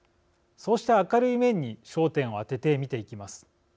そうした明るい面に焦点を当てて見ていきます。